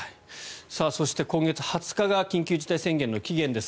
そして、今月２０日が緊急事態宣言の期限です。